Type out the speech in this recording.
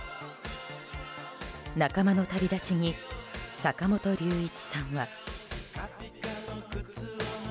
仲間の旅立ちに坂本龍一さんは。